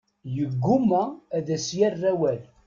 Yeggumma ad as-yerr awal.